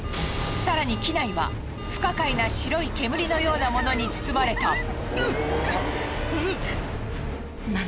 更に機内は不可解な白い煙のようなものに包まれた。